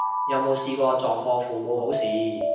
有冇試過撞破父母好事